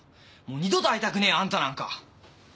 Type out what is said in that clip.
二度と会いたくねえよあんたなんか！